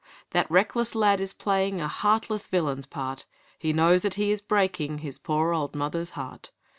'That reckless lad is playing A heartless villain's part; He knows that he is breaking His poor old mother's heart.